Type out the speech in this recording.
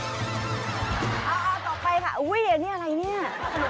เอาต่อไปค่ะอุ้ยอันนี้อะไรเนี่ย